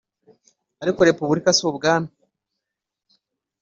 ariko repubulika si ubwami,